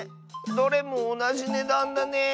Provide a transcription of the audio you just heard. どれもおなじねだんだね。